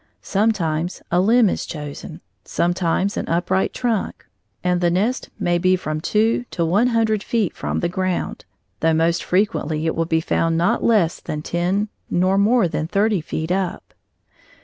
Sometimes a limb is chosen, sometimes an upright trunk, and the nest may be from two feet to one hundred feet from the ground, though most frequently it will be found not less than ten nor more than thirty feet up.